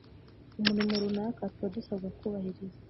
umirimo runaka tuba dusabwa kubahiriza.